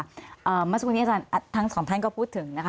เมื่อสักครู่นี้อาจารย์ทั้งสองท่านก็พูดถึงนะคะ